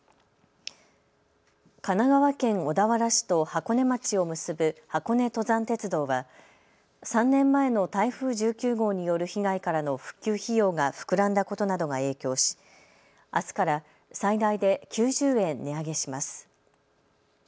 神奈川県小田原市と箱根町を結ぶ箱根登山鉄道は３年前の台風１９号による被害からの復旧費用が膨らんだことなどが影響し、あすから最大で９０円値上げします。